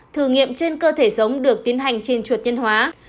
thử nghiệm trên cơ thể giống được tiến hành trên chuột nhân hóa